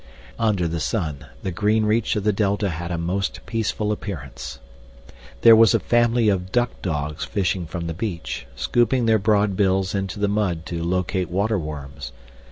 Under the sun the green reach of the delta had a most peaceful appearance. There was a family of duck dogs fishing from the beach, scooping their broad bills into the mud to locate water worms.